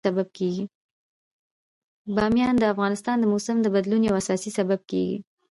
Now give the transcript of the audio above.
بامیان د افغانستان د موسم د بدلون یو اساسي سبب کېږي.